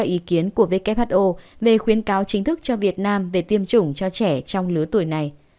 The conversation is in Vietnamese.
ý kiến của who về khuyến cáo chính thức cho việt nam về tiêm chủng cho trẻ trong lứa tuổi này